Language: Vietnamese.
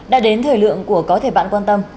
đã đến thời lượng của có thể bạn quan tâm